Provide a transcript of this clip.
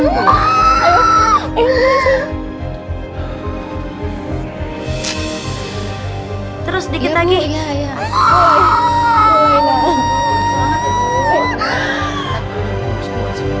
bu semangat bu